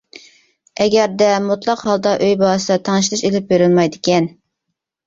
ئەگەردە مۇتلەق ھالدا ئۆي باھاسىدا تەڭشىلىش ئىلىپ بېرىلمايدىكەن.